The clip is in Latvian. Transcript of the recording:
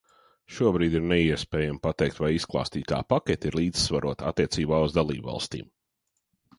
Šobrīd ir neiespējami pateikt, vai izklāstītā pakete ir līdzsvarota attiecībā uz dalībvalstīm.